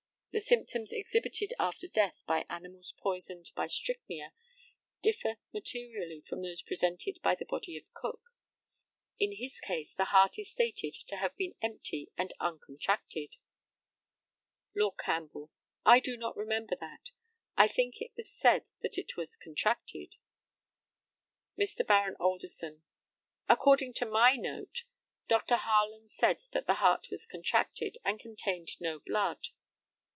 The symptoms exhibited after death by animals poisoned by strychnia differ materially from those presented by the body of Cook. In his case the heart is stated to have been empty and uncontracted. Lord CAMPBELL: I do not remember that. I think it was said that it was contracted. Mr. Baron ALDERSON: According to my note, Dr. Harland said that the heart was contracted, and contained no blood.